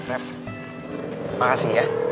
nep makasih ya